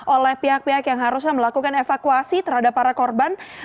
oleh pihak pihak yang harusnya melakukan evakuasi terhadap para korban